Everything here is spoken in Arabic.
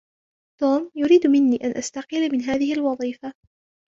توم يريد مني أن أستقيل من هذه الوظيفة.